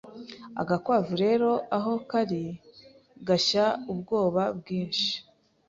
Agakwavu rero aho kari gashya ubwobabwinshi